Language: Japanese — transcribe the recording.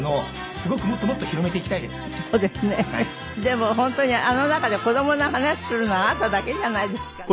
でも本当にあの中で子供の話するのはあなただけじゃないですかね。